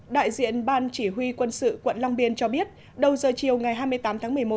đại diện ban chỉ huy quân sự quận long biên cho biết đầu giờ chiều ngày hai mươi tám tháng một mươi một